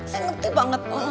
saya ngerti banget